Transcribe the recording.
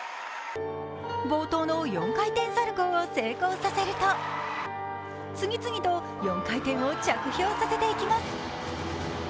冒頭の４回転サルコウを成功させると次々と４回転を着氷させていきます。